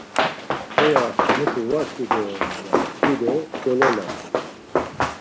Heya mutu var t̆u doren ya tku do gololapu.